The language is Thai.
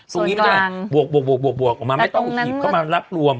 ส่วนกลางบวกออกมาไม่ต้องหีบเข้ามารับรวม